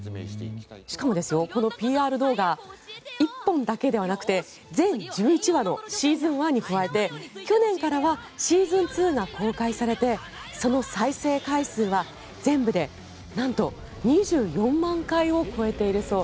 しかもですよ、このＰＲ動画１本だけではなくて全１１話のシーズン１に加えて去年からはシーズン２が公開されてその再生回数は全部でなんと、２４万回を超えているそう。